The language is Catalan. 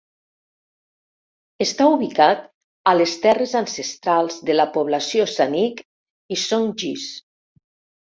Està ubicat a les terres ancestrals de la població Saanich i Songhees.